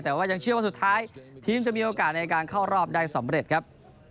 แต่ว่ายังเชื่อว่าสุดท้ายทีมจะมีโอกาสในการเข้ารอบได้สำเร็จครับ